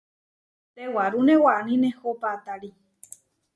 Tewarúne waní nehó paʼtári.